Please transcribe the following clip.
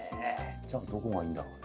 じゃあどこがいいんだろうね？